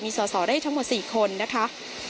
สอสอได้ทั้งหมด๔คนนะคะ